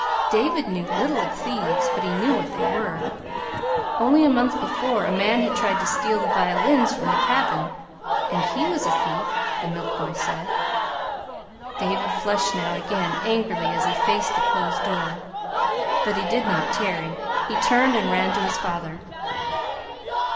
David knew little of thieves, but he knew what they were. Only a month before a man had tried to steal the violins from the cabin; and he was a thief, the milk boy said. David flushed now again, angrily, as he faced the closed door. But he did not tarry. He turned and ran to his father.